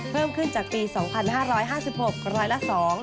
เพิ่มขึ้นจากปี๒๕๕๖ร้อยละ๒